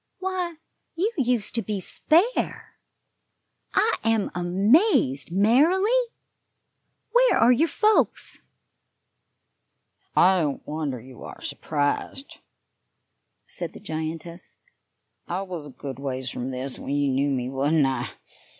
Why, you used to be spare. I am amazed, Marilly! Where are your folks?" "I don't wonder you are surprised," said the giantess. "I was a good ways from this when you knew me, wasn't I?